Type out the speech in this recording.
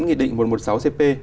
nghị định một trăm một mươi sáu cp